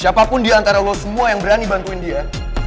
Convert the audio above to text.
siapapun diantara lo semua yang berani bantuin dia